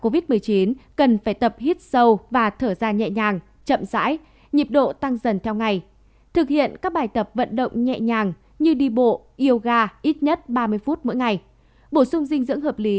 bổ sung dinh dưỡng hợp lý